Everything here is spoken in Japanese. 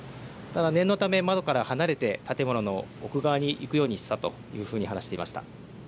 念のため窓から離れて建物の奥側に行くようにしたというふうに話していました。